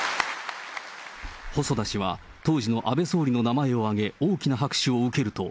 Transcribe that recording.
細田氏は当時の安倍総理の名前を挙げ、大きな拍手を受けると。